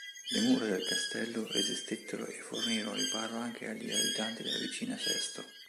Le mura del castello resistettero e fornirono riparo anche agli abitanti della vicina Sesto.